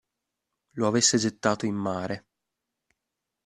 Lo avesse gettato in mare.